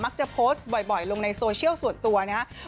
จะโพสต์บ่อยลงในโซเชียลส่วนตัวนะครับ